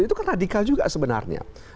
itu kan radikal juga sebenarnya